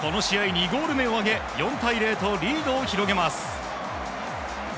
２ゴール目を挙げ４対０とリードを広げます。